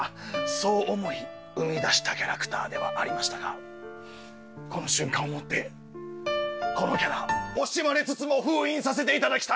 そう思い生み出したキャラクターではありましたがこの瞬間をもってこのキャラ惜しまれつつも封印させていただきたい！